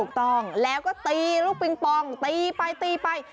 ถูกต้องแล้วก็ตีลูกปิงปองตีไปตีไป